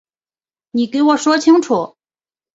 你给我说清楚